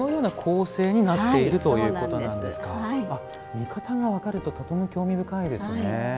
見方が分かるととても興味深いですね。